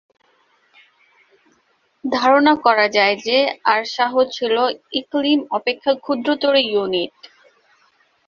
ধারণা করা যায় যে, আরসাহ ছিল ইকলিম অপেক্ষা ক্ষুদ্রতর ইউনিট।